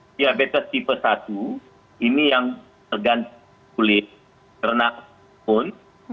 diabetes tipe satu ini yang tergantung kulit ternak pun